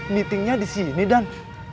meeting nya disini dan